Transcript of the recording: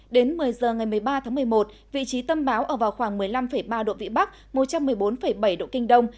đến một mươi giờ ngày một mươi ba tháng một mươi một vị trí tâm bão ở vào khoảng một mươi năm ba độ vĩ bắc một trăm một mươi bốn bảy độ kinh đông